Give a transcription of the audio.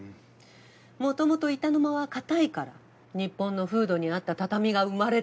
もともと板の間はかたいから日本の風土に合った畳が生まれたのに。